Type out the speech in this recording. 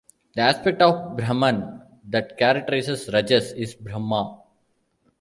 The aspect of Brahman that characterizes "Rajas" is Brahma.